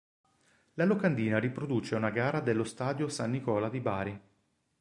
La locandina riproduce una gara nello Stadio "San Nicola" di Bari.